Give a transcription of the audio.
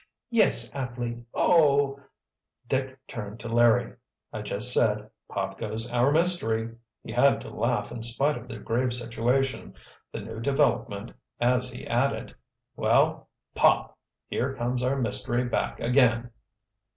"Yes, Atley! Oh——" Dick turned to Larry. "I just said, 'Pop! goes our mystery.'" He had to laugh in spite of the grave situation, the new development, as he added: "Well—'Pop!' Here comes our mystery back again!"